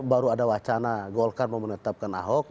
baru ada wacana golkar mau menetapkan ahok